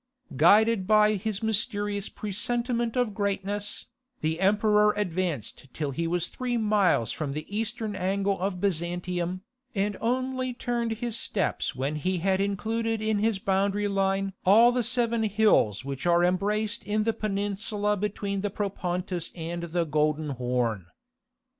Guided by his mysterious presentiment of greatness, the emperor advanced till he was three miles from the eastern angle of Byzantium, and only turned his steps when he had included in his boundary line all the seven hills which are embraced in the peninsula between the Propontis and the Golden Horn.